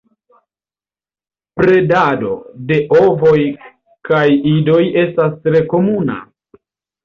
Predado de ovoj kaj idoj estas tre komuna.